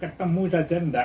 ketemu saja enggak